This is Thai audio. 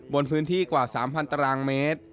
บนพื้นที่กว่า๓๐๐ตารางเมตร